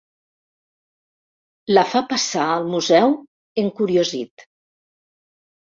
La fa passar al museu, encuriosit.